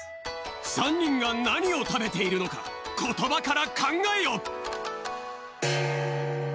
３にんがなにをたべているのかことばからかんがえよ！